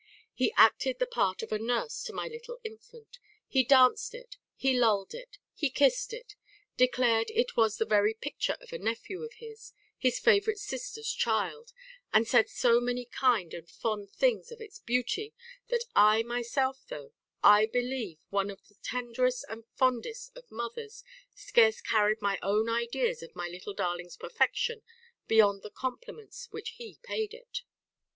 He acted the part of a nurse to my little infant; he danced it, he lulled it, he kissed it; declared it was the very picture of a nephew of his his favourite sister's child; and said so many kind and fond things of its beauty, that I myself, though, I believe, one of the tenderest and fondest of mothers, scarce carried my own ideas of my little darling's perfection beyond the compliments which he paid it.